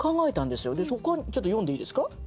ちょっと読んでいいですか？